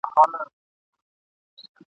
یو ځل مي جهان ته وکتل او بیا مي ..